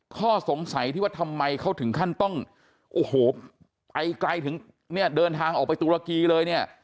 ข้อสงสัยที่ว่าทำไมเขาถึงขั้นต้องโอ้โหไปไกลถึงเนี่ยเดินทางออกไปตุรกีเลยเนี่ย